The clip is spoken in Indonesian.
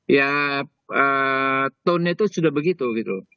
ya tone itu sudah begitu gitu